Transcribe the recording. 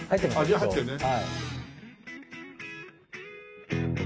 じゃあ入ってるね。